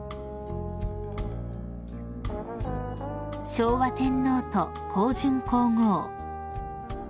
［昭和天皇と香淳皇后］